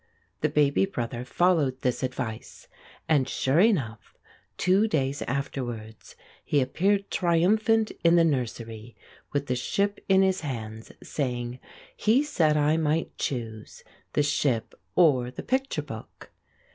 The baby brother followed this advice, and sure enough two days afterwards he appeared triumphant in the nursery with the ship in his hands, saying: "He said I might choose, the ship or the picture book."